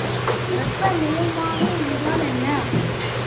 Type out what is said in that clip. வெப்பநிலைமானி என்றால் என்ன?